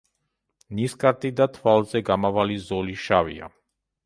ნისკარტი და თვალზე გამავალი ზოლი შავია.